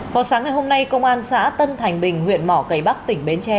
vào sáng ngày hôm nay công an xã tân thành bình huyện mỏ cây bắc tỉnh bến tre